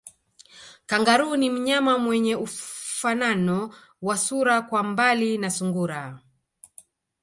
Kangaroo ni mnyama mwenye ufanano wa sura kwa mbali na sungura